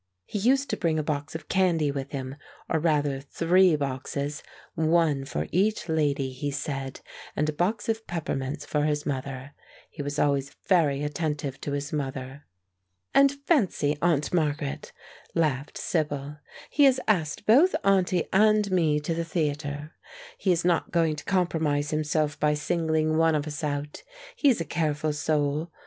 He used to bring a box of candy with him, or rather three boxes one for each lady, he said and a box of peppermints for his mother. He was always very attentive to his mother. "And fancy, Aunt Margaret," laughed Sibyl, "he has asked both auntie and me to the theatre. He is not going to compromise himself by singling one of us out. He's a careful soul.